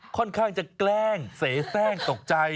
ค่อนข้างจะแกล้งเสศ่งตกใจ